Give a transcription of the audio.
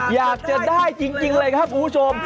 อยากจะได้จริงเลยครับคุณผู้ชม